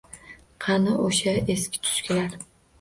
— Qani, o‘sha eski-tuskilar?